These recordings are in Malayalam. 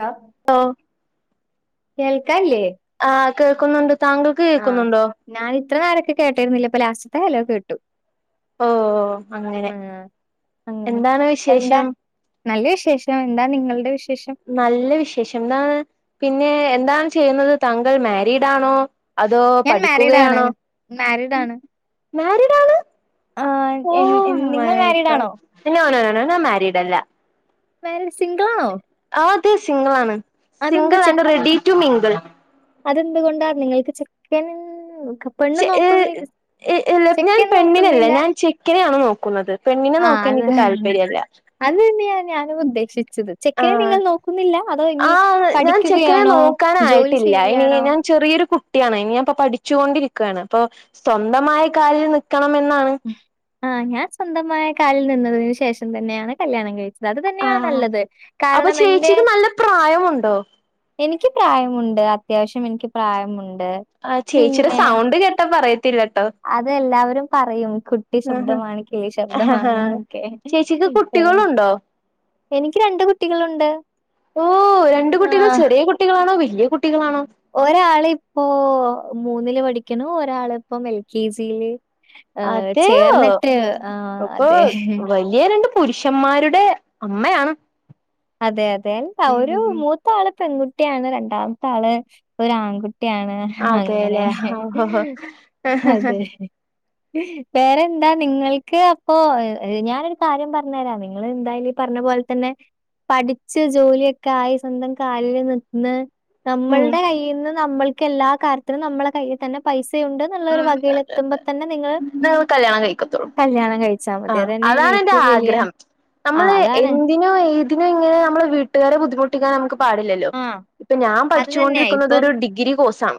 ആ ആഹ്. കേൾക്കനില്ലേ. ആഹ് കേൾക്കുന്നുണ്ട്. താങ്കൾക്ക് ആഹ് കേൾക്കുന്നുണ്ടോ ഞാൻ ഇത്ര നേരൊക്കെ കേട്ടിരുന്നില്ല ഇപ്പോ ലാസ്റ്റ് പ്പൊ ഹലോ കേട്ടു. ഓ അങ്ങനെ ആഹ് അങ്ങനെ എന്താണ് എന്താ വിശേഷം. നല്ല വിശേഷം. എന്താ നിങ്ങളുടെ വിശേഷം നല്ല വിശേഷം എന്നാ പിന്നെ എ എന്താണ് ചെയ്യുന്നത് താങ്കൾ മാരിഡ് ആണോ? അതോ ഞാൻ മാരീഡ് ആണ് പഠിക്കുകയാണോ? മാരീഡ് ആണ് മാരീഡ് ആണ്? ആഹ് ഓ എൻ എൻ മൈ നിങ്ങൾ മാരീഡ് ഗോഡ് ആണോ നോ നോ നോ. ഞാൻ മാരീഡ് അല്ല. വേറെ സിംഗിൾ ആണോ? അതെ സിംഗിൾ ആണ്. Single and ready to mingle അതെന്തു കൊണ്ട നിങ്ങക്ക് ചെക്കന് ച്ചെ ഏ ല്ല ഞാൻ ചെക്കൻ പെണ്ണിനെയല്ല നോക്കുന്നില്ല ഞാൻ ചെക്കനെയാണ് നോക്കുന്നത് പെണ്ണിനെ ആഹ് നോക്കാൻ അത് എനിക്ക് താല്പര്യവില്ല ച്ചത് ചെക്കനെ നിങ്ങൾ നോക്കുന്നില്ല അതോ ഇനി പഠിക്കുകയാണോ ജോലി ചെ ല്ല ഇനി ഞാൻ ചെറിയൊരു കുട്ടിയാണ് ഇനിയപ്പോ പഠിച്ചുകൊണ്ടിരിക്കയാണ് അപ്പോ സ്വന്തമായി കാലിൽ നി ക്കണം എന്നാണ് ആ ഞാൻ സ്വന്തമായ കാലിൽ നിന്നതിനു ശേഷം തന്നെയാണ് കല്യാണം കഴി ച്ചത് അത് തന്നെയാണ് ആഹ് നല്ലത് അപ്പൊ കാരണം എന്റെ ചേച്ചിക്ക് നല്ല പ്രായമുണ്ടോ? എനി എനിക്ക് പ്രായമുണ്ട് അത്യാവശ്യം എനിക്ക് പ്രായമുണ്ട് ആ ചേച്ചിടെ സൗണ്ട് കേട്ടാ പറയ അതെല്ലാവരും പറയും കുട്ടി ആഹ് ശബ്ദമാണ് കിളി ആഹ് ശബ്ദമാണെന്നൊക്കെ ചേച്ചിക്ക് കുട്ടികളുണ്ടോ? എനിക്ക് രണ്ട് കുട്ടികളുണ്ട് ഓ രണ്ട് കുട്ടികൾ ചെറിയ കുട്ടികളാണോ വല്ല്യ ഒരാള് ഇപ്പോ മൂന്നില് പഠിക്കണു ഒരാള് ഇപ്പം എൽ കെ ജിയില് ഏഹ് അതെയോ ചേർന്നിട്ട് ആഹ് അപ്പൊ അതെ വലിയ രണ്ട് പുരുഷന്മാരുടെ അമ്മയാണ് അതെ അതെ [unintelligible] ഉം ഒരു ഉം ഉം മൂത്ത ആൾ പെൺകുട്ടിയാണ് രണ്ടാമത്തെ ആള് ഒരു ആൺകു ട്ടിയാണ് അങ്ങനെ അതെല്ലേ അതെ വേറെന്താ നിങ്ങൾക്ക് അപ്പൊ ഞാനൊരു കാര്യം പറഞ്ഞേരാം നിങ്ങള് എന്തായാലും ഈ പറഞ്ഞ പോലെ തന്നെ പഠിച്ച് ജോലിയൊക്കെ ആയി സ്വന്തം കാലിൽ നിന്ന് ഉം നമ്മളുടെ കയ്യ്ന്ന് നമ്മൾ എല്ലാ കാര്യത്തിലും നമ്മുടെ കയ്യിൽ തന്നെ പൈസ [unintelligible] കല്യാണം കഴിക്കത്തുള്ളൂ കല്യാണം കഴിച്ചാ ആ മതി. അതന്നെയാണ് അതാണ് എന്റെ ഏറ്റവും വലിയ ആഗ്രഹം ആഹ് നമ്മള് അതാണ്. എന്തിനോ ഇതിന ഇങ്ങനെ നമ്മള വീട്ടുകാരെ ബുദ്ധിമുട്ടിക്കാൻ നമുക്ക് പാടില്ലല്ലോ ആഹ് ഇപ്പൊ ഞാൻ അത് പഠിച്ചുകൊണ്ടിരിക്കുന്നത് ഒരു ഡിഗ്രി കോഴ്സ് ആണ്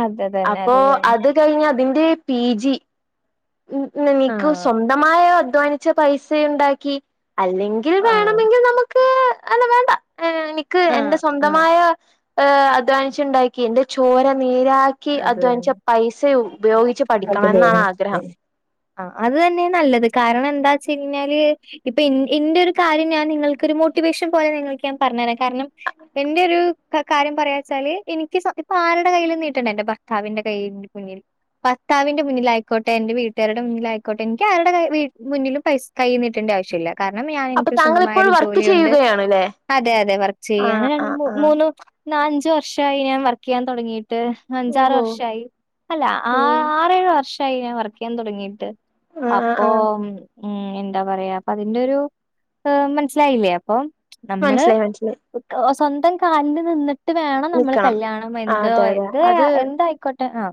അതെതന്നെ അത് തന്നെ അത് കഴിഞ്ഞ് ഇത് പി ജി നിനക്ക് ആഹ്. സ്വന്തമായ അധ്വാനിച്ച പൈസ ഉണ്ടാക്കി അല്ലെങ്കിൽ ആഹ് വേണമെങ്കിൽ നമുക്ക് അത് അല്ല വേണ്ട ഏ എനിക്ക് എന്റെ ആഹ് ആഹ് സ്വന്തമായ അഹ് അധ്വാനിച്ചുണ്ടാക്കി എന്റെ ചോര നീരാക്കി അത് അദ്വനിച്ച തന്നെ പൈസ ഉപയോഗിച്ച് പഠിക്കണം എന്നാണ് ആഗ്രഹം ആ അത് തന്നെ നല്ലത് കാരണം എന്താ വെച്ച് കഴിഞ്ഞാല് ഇപ്പൊ എന്റെ ഒരു കാര്യം ഞാൻ നിങ്ങൾക്കൊരു മോട്ടിവേഷൻ പോലെ നിങ്ങൾക്ക് ഞാൻ പറഞ്ഞു തരാം കാരണം എന്റെ ഒരു കാര്യം പറയാ വെച്ചാല് എനിക്ക് ഇപ്പൊ ആരുടെ കയ്യിൽ എന്റെ ഭർത്താവിന്റെ കയ് മുന്നിൽ ഭർത്താവിന്റെ മുന്നിലായിക്കോട്ടെ എന്റെ വീട്ടുകാരുടെ മുന്നിലായിക്കോട്ടെ എനിക്ക് ആരടെ മുന്നിലും പൈസ കൈനീട്ടണ്ടെ ആവശ്യമില്ല കാരണം ഞാൻ അപ്പൊ എനിക്കൊരു താങ്കൾ സ്വന്തമായ ഇപ്പോൾ ഒരു വർക്ക് ജോലിയുണ്ട് ചെയ്യുകയാണ്ല്ലേ അതെ അതെ വർക്ക് ചെയ്യാണ് ആഹ് ര ആഹ് ആഹ് മൂന്ന് ന്നാ അഞ്ച് വർഷായി ഞാൻ വർക്ക് ചെയ്യാൻ തുടങ്ങിയിട്ട്. അഞ്ചാറ് ഓഹോ വർഷായി അല്ല ആ ഉം ആറേഴ് വർഷം. ഷായി ഞാൻ വർക്ക് ചെയ്യാൻ തുടങ്ങിയിട്ട്. ആഹ് ആഹ് അപ്പൊ ആഹ് ഉം എന്താ പറയാ അപ്പ അതിന്റെ ഒരു മനസ്സിലായില്ലേ അപ്പം നമ്മള് മനസ്സിലായി മനസ്സിലായി [unintelligible] സ്വന്തം കാലിൽ നിന്ന് ട്ട് വേണം നമ്മൾ നിക്കണം കല്യാണം ആഹ് എന്തോ അതെ ആയി അതെ അത് എന്തായിക്കോട്ടെ ആ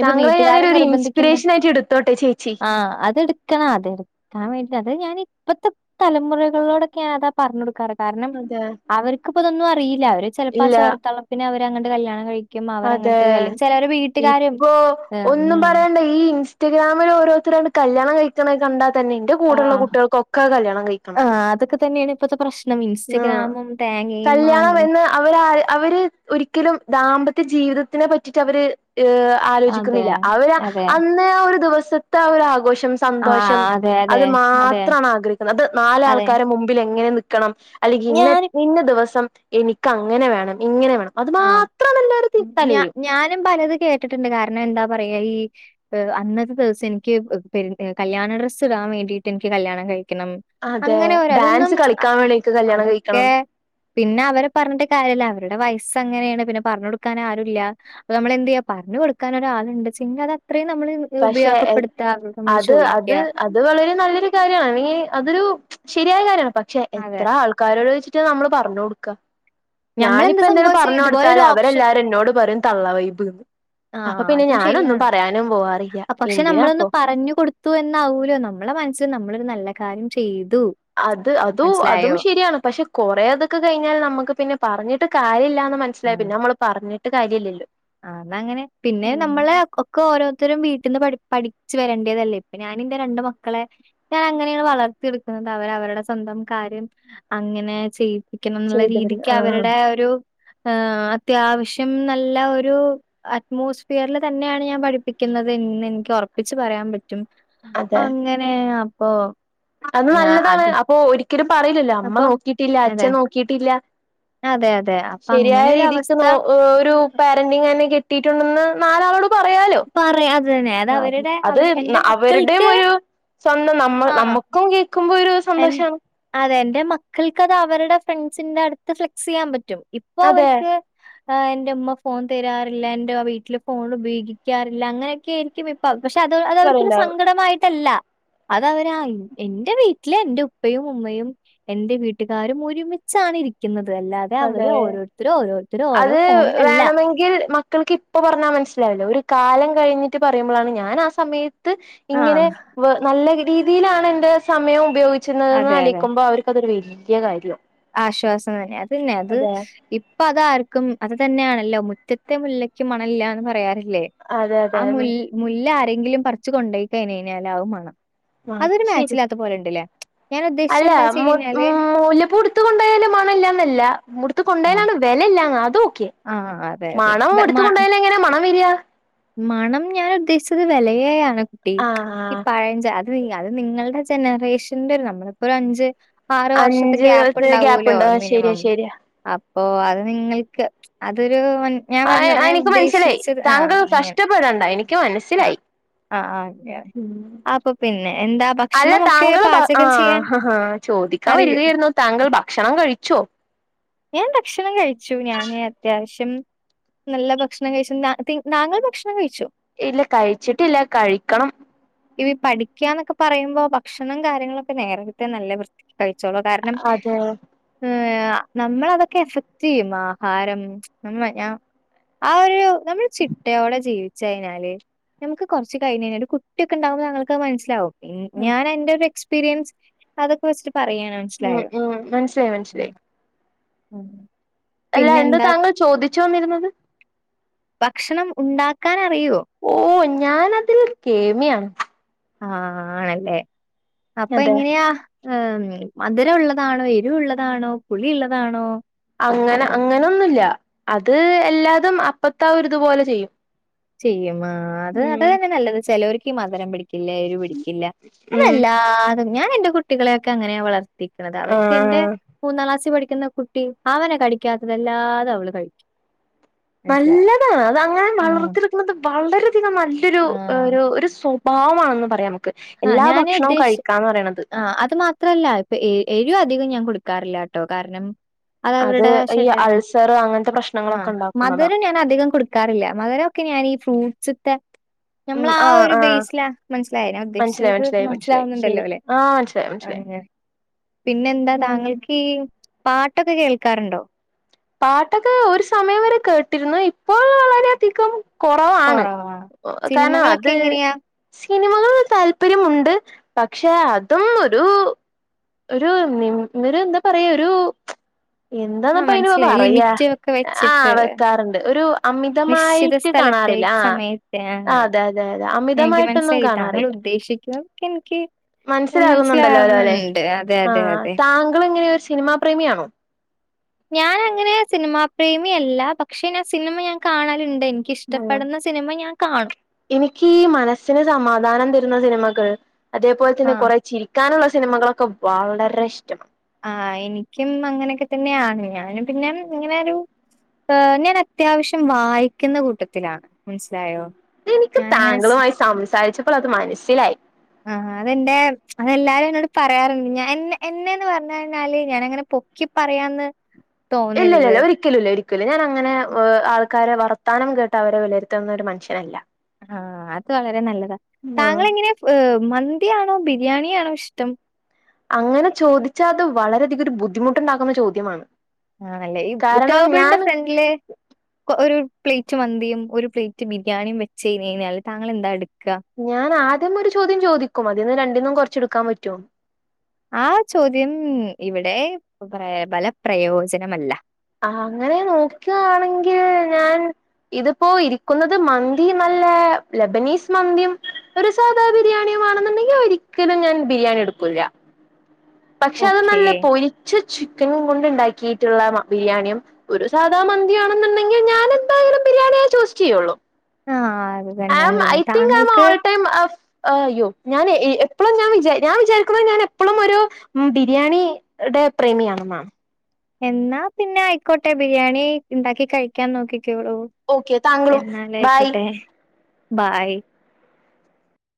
ഇപ്പൊ താങ്കളെ വീട്ടുകാര് ഞാനൊരു ഒരു നിർബന്ധിക്ക്ണ്ടേ ഇൻസ്പിരേഷൻ ആയിട്ട് എടുത്തോട്ടെ ചേച്ചി ആ അത് എടുക്കണ അത് എട്ക്ക അത് ഞാൻ ഇപ്പത്തെ തലമുറകളോടക്കെ ഞാൻ അതാ പറഞ്ഞു കൊടുക്കാറ്. കാരണം അതെ അവർക്ക്പ്പതൊന്നും അറിയില്ല അവര് ചിലപ്പോ ആ ഇല്ല ചോര തെളപ്പിന് അവര് നങ്ങട്ട് കല്യാണം കഴിക്കുന്ന അതെ ഇപ്പോ ഏഹ് ഒന്നും ഉം പറയണ്ട ഈ ഇൻസ്റ്റഗ്രാമിൽ ഓരോരുത്തരാണ് കല്യാണം കഴിക്ക്ണ കണ്ടാ തന്നെ ഇന്റെ കൂടെള്ള ആഹ് കുട്ടികൾക്കൊക്കെ കല്യാണം കഴിക്കണം ആഹ് അതൊക്കെ തന്നെയാണ് ഇപ്പത്തെ പ്രശ്നം. ആ ഇൻസ്റ്റഗ്രാമും തേങ്ങയും കല്യാണം മാങ്ങയും എന്ന് അവര് അവര് ഒരിക്കലും ദാമ്പ ജീവിതത്തിനെ പറ്റിട്ട് അവര് ഏ അതെ. ആലോചിക്കുന്നില്ല അവര് അതെ. അന്ന് ആ ഒരു ദിവസം സത്തെ ആ ഒരു ആഘോഷ സന്തോഷം ആഹ് അതെ അത് അതെ. അതെ മാത്രാണ് ആഗ്രഹിക്കുന്നത് അത് നാല് അതെ. ആൾക്കാരെ മുമ്പിൽ എങ്ങനെ നി ക്കണം അല്ലെങ്കിൽ ഇന്ന ഞാന് ഇന്ന ദിവസം എനിക്ക് അങ്ങനെ വേണം ഇങ്ങനെ വേണം അത് മാത്രാണ് എല്ലാരും ഞ തലേലും ഞാനും പലത് കേട്ടിട്ടുണ്ട് കാരണം എ എന്താ പറയാ ഈ അന്നത്തെ ദിവസം എനിക്ക് കല്യാണ ഡ്രസ്സ് ഇടാൻ വേണ്ടീട്ട് എനിക്ക് കല്യാണം കഴി ക്കണം അതെ അങ്ങനെ ഒര് അതൊന്നും ഡാൻസ് കളിക്കാൻ വേണ്ടിക്ക് കല്യാണം അതൊക്കെ കഴിക്കണം പിന്നെ അവരെ പറഞ്ഞിട്ട് കാര്യല്ല അവര് അവരുടെ വയസ് ഇപ്പം അങ്ങനെയാണ് പിന്നെ പറഞ്ഞു കൊടുക്കാൻ ആരുല്ല അപ്പം നമ്മള് എന്ത് ചെയ്യാ പറഞ്ഞു കൊടുക്കാൻ ഒരാളുണ്ട്ച ങ്ങള് പക്ഷെ നമ്മള് അത് അത് ചോദിക്ക്യ. അത് വളരെ നല്ലൊരു കാര്യാണങ്കി അതൊരു ശരിയായ കാര്യ പക്ഷെ അതെ. എത്ര ആൾക്കാരോട് ചോദിച്ചിട്ടാ നമ്മള് പറഞ്ഞ് കൊടുക്കാ ഞമ്മളെന്ത് ഞാനിപ്പ എന്തേലും സംഭവിച്ചേ പറഞ്ഞ് ഇതുപോലൊരു കൊടുത്താല് ഓപ്ഷൻ അവരെല്ലാരും എന്നോട് പറയും തള്ളവൈബ്ന്ന് ആ അപ്പൊ പിന്നെ അതും ഞാനൊന്നും ശരിയാണ്. പറയാനും പോവാറ പക്ഷെ നമ്മളൊന്ന് പറഞ്ഞു കൊടുത്തു എന്നാവൂലോ നമ്മളെ മനസ്സി നമ്മളൊരു നല്ല കാര്യം ചെയ് അത് അതു അതും ശെരിയാണ് പക്ഷെ കൊറെ അതൊക്കെ കഴിഞ്ഞാൽ നമുക്ക് പിന്നെ പറഞ്ഞിട്ട് കാര്യല്ല മനസിലായിപിന്നെ നമ്മള് പറഞ്ഞ് ട്ട് കാര്യല്ലല്ലോ ആ ന്നങ്ങനെ പിന്നെ നമ്മള് ഒക്കെ ഓരോ ത്തരും വീട്ടിന്ന് പഠിപ്പി പഠിച്ചു വരേണ്ടേതല്ലേ ഇപ്പൊ ഞാനിന്റെ രണ്ട് മക്കളെ ഞാൻ അങ്ങനെയാണ് വളർത്തിയെടുക്കുന്നത് അവർ അവരുടെ സ്വന്തം കാര്യം അങ്ങനെ ചെയ [unintelligible] എന്നുള്ള ചെയ്തവര് രീതിക്ക് ആഹ് അവരുടെ ഒരു ആഹ് അത്യാവശ്യം നല്ല ഒ രു ആറ്റ്മോസ്ഫിയറിൽ തന്നെയാണ് ഞാൻ പഠി പ്പിക്കുന്നത് ന്ന് ഇനിക്ക് ഒറപ്പ പ്പിച്ച് പറയാൻ പ റ്റും അതെ അങ്ങനെ ഓ അത് നല്ലതാണ് അപ്പൊ ഒരി ഒരിക്കലും പറയില്ലല്ലോ അമ്മ അപ്പം നോക്കിയിട്ടില്ല അതെ അച്ഛൻ നോക്കിയിട്ടില്ല അതെ അതെ അപ്പൊ ശരിയായ അങ്ങനെ ഒരു രീതിക്ക് അവസ്ഥ നോ ഒരു പാരന്റിങ്ങനെ കിട്ടിട്ടുണ്ടന്ന് നാലാളോട് പറയാലോ പറയാ അത അതന്നെ അത് ആ അവരുടെ അത് അവർ എൻ്റെ അവരുടെയും മക്കൾക്ക് ഒരു സ്വന്തം നമ്മ നമ്മുക്കും ഈ എന്റെ അതെ എന്റെ മക്കൾക്കത് അവരുടെ ഫ്രണ്ട്- ഫ്രണ്ടസിന്റെ അടുത്ത് ഫ്ലക്സ് ചെയ്യാൻ പറ്റും ഇപ്പൊ അതെ അവർക്ക് ആ് എന്റെമ്മ ഫോൺ തരാറില്ല എന്റെ വീട്ടില് ഫോൺ ഉപയോഗിക്കാറില്ല അങ്ങനെയൊക്കൊയിരിക്കും ഇപ്പൊ പക്ഷെ അത് അത് അവർക്കൊരു പറയണ്ടാവും സങ്കടമായിട്ടല്ല അതവരാ എൻറെ വീട്ടിൽ എന്റെ ഉപ്പയും ഉമ്മയും എന്റെ വീട്ടുകാരും ഒരുമിച്ചാണ് ഇരിക്കുന്നത് അല്ലാതെ അവര് അതെ ഓരോരുത്തരും ഓരോരുത്തരും ഓരോ അത് ഫോണിലല്ല. വേണമെങ്കിൽ മക്കൾക്ക് ഇപ്പൊ പറഞ്ഞാൽ മനസ്സിലാവില്ല ഒരു- കാലം കഴിഞ്ഞിട്ട് പറയുമ്പോഴാണ് ഞാൻ ആ സമയത്ത് സമയത്ത് ഇങ്ങനെ ആഹ്. നല്ല രീതിയിലാണ് എന്റെ സമയം ഉപയോഗുന്നത് അതെ അതെ. ആലോചിക്കുമ്പോ അവർക്കതൊരു വല്യ വല്യ കാര്യമാ ആശ്വാസം അതന്നെ അത് ഇപ്പൊ അതാർക്കും അത- തന്നെയണല്ലോ മുറ്റത്തെ മുല്ലയ്ക്ക് മണമില്ലാന്ന് പറയാറ- പറയില്ലേ അതെ അതെ ആ അതെ മുല്ല- എന്തെങ്കിലും പറിച്ച് കൊണ്ടോയി കഴിഞ്ഞൽ ആവും മണം അതൊരു അത് ശരി മാച്ചില്ലാത്ത പോലെ ഉണ്ടല്ലേ അല്ല ഉ മൂല്ല പൂ പൊടു മുറ്റത്തു കൊണ്ടയാലും മണല്ലന്നല്ല മുറത്ത് കൊണ്ട ആഹ് പോയാലാണ് വില ല്ലങ്ങ് അതു ആഹ് അതെ അതെ. മണം വെ മ എടുത്ത കൊണ്ടായാലങ്ങനാ മണം വരിക മണം ഞാൻ ഉദ്ദേശിച്ചത് വിലയെയാണ് ആ ഈ ആ പഴഞ്ച അത് നിങ്ങളുടെ ജനറേഷന്റെ ഒരു നമ്മളിപ്പോ ഒരു അഞ്ച് ആറ് വർഷത്തെ അഞ്ച് ഗ്യാപ്പ് ഉണ്ടാവൂല്ലോ ഗ്യാപ്പുണ്ട് ശരിയാ മിനിമം ശരിയാ അ ഓ അത് നിങ്ങൾക്ക് അതൊരു മൻ ഞാൻ ആ പറഞ്ഞ ഞാൻ എനിക്ക് മനസ്സിലായി ഉദ്ദേശിച്ചത് ആഹ് താങ്കൾ അങ്ങനെ. കഷ്ടപ്പെടണ്ട എനിക്ക് മനസ്സിലായി ആഹ് ആഹ് ആഹ് അങ്ങനെ. അപ്പൊ പിന്നെ എന്താ അല്ല ഭക്ഷണമൊക്കെ താങ്കൾ ആ പാചകം ചെയ്യാൻ ഹ ചോദിക്കാൻ അറിയോ? വരികയായിരുന്നു താങ്കൾ ഭക്ഷണം കഴിച്ചോ ഞാൻ ഭക്ഷണം കഴിച്ചു ഞാന് അത്യാവശ്യം നല്ല ഭക്ഷണം കഴിച്ചു താങ്കൾ ഭക്ഷണം കഴിച്ചു ഇല്ല കഴിച്ചിട്ട് ഇല്ല കഴിക്കണം ഈ പഠിക്കന്നൊക്കെ പറയുമ്പോ ഭക്ഷണം കാര്യങ്ങളൊക്കെ നേരത്തെ നല്ല വൃത്തിക്ക് കഴി ച്ചോണം കാരണം അതെ നമ്മളതൊക്കെ എഫക്ട് ചെയ്യും ആഹാരം ന ഞ ആ ഒരു നമ്മൾ ചിട്ടയോടെ ജീവിക്കു ച്ചഴിഞ്ഞാല് നമുക്ക് കുറച്ച് കഴഞ്ഞല് കു കുട്ടി ഒക്ക ഉണ്ടാവുമ്പോൾ ഞങ്ങൾക്കത് മനസിലാവും ഞാൻ എന്റെ ഒരു എക്സ് എക്സ്പീരിയൻസ് അതൊക്ക വച്ചിട്ട് ഉം ഉം മനസ്സിലായി മനസ്സിലായി അ അല്ല എന്ത് താങ്കൾ ചോദി ച്ചുന്നിരുന്നത് ഭക്ഷണം ഉണ്ടാക്കാന യ്യോ ഓ ഞാനതിൽ കേമിയാണ് ആണല്ലേ അപ്പൊ അതെ എങ്ങനെയാ ഏമ് മധുരൊള്ളതാണോ എരുവുള്ളതാണോ പുളിള്ളതാണോ അങ്ങനെ അങ്ങനെന്നുല്ല അത് എല്ലാതും അപ്പത്ത ഒരു ഇതുപോലെ ചെയ്യും ചെയ്യും. ആ അത് അത ഉം എന്നെ നല്ലത് ചെലോര് ക്ക്‌ മധുരം പിടി ക്കില്ല എരു പിടിക്കില്ല ഉം നമ്മളെല്ലാതെ ഞാ എന്റെ കുട്ടികളൊക്കെ അങ്ങനെ വളർ ത്തിക്ക്‌ണത്. അവർക്ക് എന്റെ ആ മൂന്നാം ക്ലാസി പഠിക് ക്യുന്ന കുട്ടി അവരെ കടിക്കാത്തതല്ലാതെ അവള് കഴിക്കും. മനസ്സിലായോ? നല്ലതാണ് അതങ്ങൻ ആണോ? വളർത്തിട് [unintelligible] വളരെ ഇത് നല്ലൊരു ആ. അ ഒരു ഒരു സൊ ഭാവാണെന്ന് പറയാമോ ആ ഞാന് ഉദ്ദേശി ആ അത് മാത്രല്ല ഇപ്പ ഏ എരി അധികം ഞാൻ കൊടുക്കാറില്ലാട്ടോ കാരണം. അത് അവരുടെ ഈ ശരിരം അൾസർ അങ്ങനത്തെ ആ പ്രശ്നങ്ങളൊക്കെ ഉണ്ടാക്കുന്നതാ മധുരം ഞാൻ അധികം കൊടുക്കാറില്ല മധുരോക്കെ ഞാനീ ഫ്രൂട്ട്സിട്ട ഉം നമ്മളാ ആഹ് ഒരു ആഹ് ബേസിലാ മനസ്സിലായ [unintelligible] മനസ്സിലായി [unintelligible] മനസ്സിലായി മനസ്സിലായി ശരി മനസ്സിലാവുന്നുണ്ടല്ലോ അല്ലെ ആഹ് മനസ്സിലായി മനസ്സിലായി അങ്ങനെ പിന്നെ എന്താ ഉം താങ്കൾക്കീ പാട്ടൊക്കെ കേൾക്കാറുണ്ടോ പാട്ടൊക്കെ ഒരു സമയം വരെ കേട്ടിരുന്നു ഇപ്പോൾ വളരെയധികം കുറവാണ് കൊറവാ. കാരണം സിനിമകളൊക്കെ അത് എങ്ങനെയാ? സിനിമകൾ താല്പര്യമുണ്ട് പക്ഷേ അതും ഒരു ഒരു മിം എന്താ പറയാ ഒരു എന്താന്നപ്പയ് ലെ ലിമിറ്റൊക്കെ വെച്ചിട്ട് ഒരു നിശ്ചിത അമിതമായിട്ട് സ്ഥലത്തെ കാണാറില്ല ആഹ് സമയത്ത ആ ആഹ് അതെ അതെ അതെ എനിക്ക് അമിതമായിട്ടൊന്നും മനസ്സിലായി താങ്കൾ ഉദ്ദേശിക്കുക എനിക്ക് മനസ്സിലാകുന്നുണ്ടല്ലോല്ലോ അല്ലെ മനസ്സിലാവണുണ്ട്. അതെ, ആ അതെ, അതെ. താങ്കള് എങ്ങനെയൊ ഒരു സിനിമാ പ്രേമിയാണോ ഞാനങ്ങനെ സിനിമാ പ്രേമിയല്ല പക്ഷെ ഞാൻ സിനിമ ഞാൻ കാണാലുണ്ട് ഉം എനിക്കിഷ്ടപ്പെടുന്ന സിനിമ ഞാൻ കാണും എനിക്ക് ഈ മനസ്സിന് സമാധാനം തരുന്ന സിനിമകൾ അതേപോലെ ആ. തന്നെ കുറ ചിരിക്കാനുള്ള സിനി സിനിമകളൊക്കെ വളരെ ഇഷ്ടമാണ് ആ എനിക്കും അങ്ങനെയൊക്കെ തന്നെയാണ് ഞാനും പിന്നെ ഇങ്ങനെ ഒരു ഞാൻ അത്യാവശ്യം വായിക്കുന്ന കൂട്ടത്തിലാണ് മനസ്സിലായോ എനിക്ക് ഞാനങ്ങനെ സ് താങ്കളുമായി സംസാരിച്ചപ്പോൾ അത് മനസ്സിലായി ആ അതെന്റെ അതെല്ലാരും എന്നോട് പറയാറുണ്ട് ഞാൻ എന്നെന്ന് പറഞ്ഞഞ്ഞാല് ഞാനങ്ങനെ പൊക്കി പറയാന്ന് തോന്നരുത് ഇല്ലല്ല ഒരിക്കലുല്ല ഒരിക്കലു ഞാൻ അങ്ങനെ ആൾ ആൾക്കാരെ വർത്താനം കേട്ട് അവരെ വിലരുത്തുന്ന ഒരു മനഷ്യനല്ല ആ അത് വളരെ നല്ലതാ ആഹ് മന്തിയാണോ ബിരിയാണിയാണോ ഇഷ്ടം അങ്ങനെ ചോദി ച്ചാ അത് വരെയധികം ഒരു ബുദ്ധിമുട്ടുണ്ടാക്കുന്ന ചോദ്യമാണ് ആ അല്ലേ ഈ കാരണം ഞാൻ ടേബിളിന്റെ ഫ്രണ്ടിലെ ഒരു പ്ലേറ്റ് മന്തിയും ഒരു പ്ലേറ്റ് ബിരിയാണിയും വെച്ച് കഴിഞ്ഞാല് താങ്കൾ എന്താ എടു ഞാൻ ആ ആദ്യം ഒരു ചോദ്യം ചോദിക്കും അതിൽന്ന് രണ്ടിന്നും കുറച്ചെടുക്കാൻ പറ്റോ ആ ചോദ്യം ഇവിടെ ഫലപ്രയോജനമല്ല ആ അങ്ങനെ നോക്കുകയാണെങ്കിൽ ഞാൻ ഇതിപ്പോ ഇരിക്കുന്നത് മന്തിയും അല്ല ലബനീസ് മന്തിയും ഒരു സാധാ ബിരിയാണിയും ആണെന്നുണ്ടെങ്കിൽ ഒരിക്കലും ഞാൻ ബിരിയാണി എടുക്കൂല്ല പക്ഷെ അത് ഓക്കേ. നല്ല പൊരിച്ച ചിക്കനും കൊണ്ട് ഉണ്ടാക്കി യിട്ടുള്ള ബിരിയാണിയും ഒരു സാധാ മന്തിയാണെന്നുണ്ടെങ്കിൽ ഞാൻ നെന്തായാലും ബിരിയാണിയ ചൂസ് ചെയ്യുള്ളൂ ആഹ് അത് തന്നെ ആം അത് തന്നെ. ഐതിങ്ക് ആം എ താങ്കൾക്ക് ഓൾ ടൈം അ അയ്യോ ഞാൻ എപ്പളും ഞാൻ വിചാ ഞാൻ വിചാരിക്കുന്നത് ഞാൻ എപ്പളും ഒരു ഉം ബിരിയാണി ഡേ പ്രേമിയാണെന്നാണ് എന്നാ പിന്നെ ആയിക്കോട്ടെ ബിരിയാണി ഉണ്ടാക്കി കഴിക്കാൻ നോക്കി ഓക്കെ താങ്കളും ബായ് ബായ്